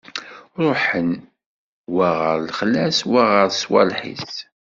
Ṛuḥen, wa ɣer lexla-s, wa ɣer swaleḥ-is.